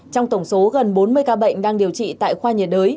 trong tổng số gần bốn mươi ca bệnh đang điều trị tại khoa nhiệt đới